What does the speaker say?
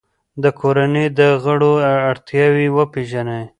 د کورنۍ د غړو اړتیاوې وپیژنئ.